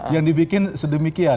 jadi dibikin sedemikian